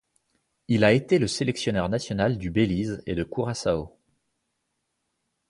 Il a été le sélectionneur national du Belize et de Curaçao.